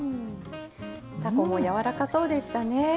たこもやわらかそうでしたね。